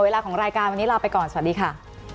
ของรายการวันนี้ลาไปก่อนสวัสดีค่ะ